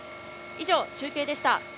以上、中継でした。